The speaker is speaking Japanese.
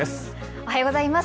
おはようございます。